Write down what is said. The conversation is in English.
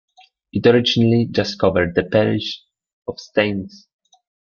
It originally just covered the parish of Staines.